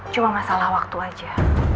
cuma masalah waktu aja